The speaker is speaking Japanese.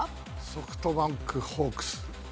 ソフトバンクホークス。